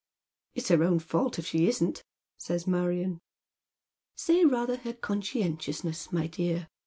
" It's her own fault if she isn't," says Marion. " Say rather her conscientiousness, my dear.